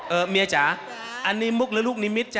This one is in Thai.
เมียจ๋าอันนี้มุกหรือลูกนิมิตจ้